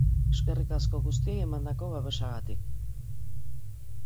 Eskerrik asko guztiei emandako babesagatik.